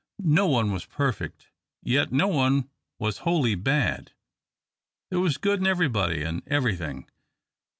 No one was perfect, yet no one was wholly bad. There was good in everybody and everything.